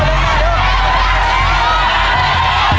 สุดท้ายสุดท้ายสุดท้าย